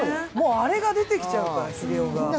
もうあれが出てきちゃうから、英雄が。